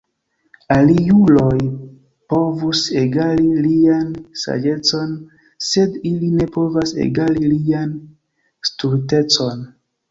Aliuloj povus egali lian saĝecon, Sed ili ne povas egali lian stultecon.